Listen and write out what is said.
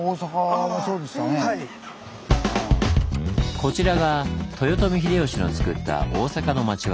こちらが豊臣秀吉のつくった大坂の町割。